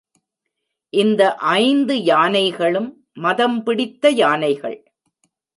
இந்த ஐந்து யானைகளும் மதம் பிடித்த யானைகள்.